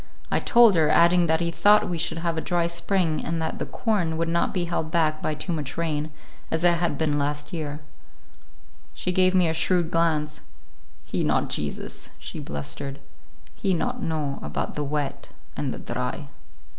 I told her, adding that he thought we should have a dry spring and that the corn would not be held back by too much rain, as it had been last year. She gave me a shrewd glance. "He not Jesus," she blustered; "he not know about the wet and the dry."